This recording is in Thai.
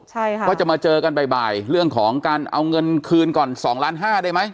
ใช่ค่ะว่าจะมาเจอกันบ่ายเรื่องของการเอาเงินคืนก่อนสองล้านห้าได้ไหม